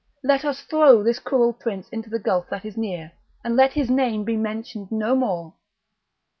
let us throw this cruel prince into the gulf that is near, and let his name be mentioned no more!"